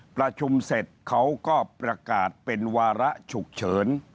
ประชุมเสร็จเขาก็ประกาศเป็นวาระฉุกเฉิน